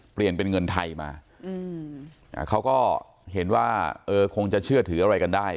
เปลี่ยนเป็นเงินไทยมาเขาก็เห็นว่าเออคงจะเชื่อถืออะไรกันได้